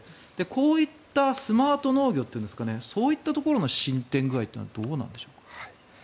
こういったスマート農業というそういうところの進展はどうなんでしょうか？